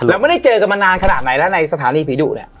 เราไม่ได้เจอกันมานานขนาดไหนแล้วในสถานีผีดุเนี่ย